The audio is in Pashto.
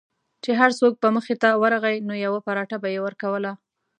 چې هر څوک به مخې ته ورغی نو یوه پراټه به یې ورکوله.